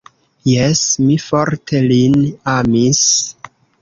Jes, mi forte lin amis.